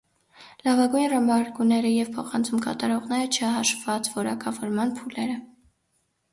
Լավագույն ռմբարկուները և փոխանցում կատարողները (չհաշված որակավորման փուլերը)։